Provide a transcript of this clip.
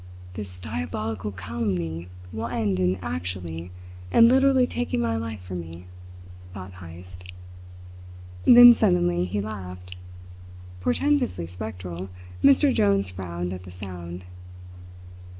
"This diabolical calumny will end in actually and literally taking my life from me," thought Heyst. Then, suddenly, he laughed. Portentously spectral, Mr. Jones frowned at the sound.